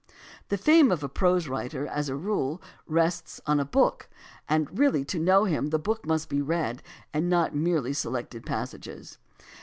The fame of a prose writer, as a rule, rests on a book, and really to know him the book must be read and not merely selected passages.